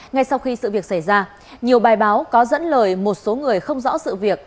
ngay sau khi sự việc xảy ra nhiều bài báo có dẫn lời một số người không rõ sự việc